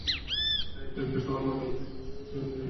তাই আয়োজকদের সবার মতামত নিয়ে অনুষ্ঠানটি দুই দিন পিছিয়ে দেওয়া হয়েছে।